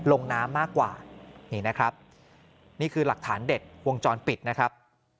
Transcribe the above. ลงน้ำมากกว่านี่นะครับนี่คือหลักฐานเด็ดวงจรปิดนะครับ